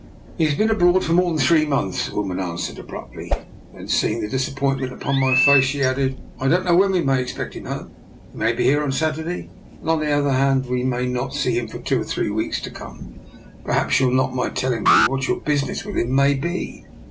" He has been abroad for more than three months, the woman answered abruptly. Then, seeing the disappointment upon my face, she added, " I don't know when we may expect him home. He may be here on Sat urday, and, on the other hand, we may not see him for two or three weeks to come. But perhaps you'll not mind telling me what your business with him may be?